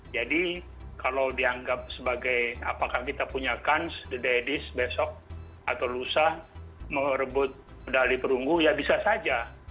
kalau dianggap sebagai apakah kita punya kans the daddies besok atau lusa merebut medali perunggu ya bisa saja